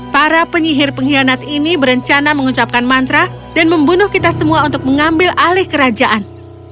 para penyihir pengkhianat ini berencana mengucapkan mantra dan membunuh kita semua untuk mengambil alih kerajaan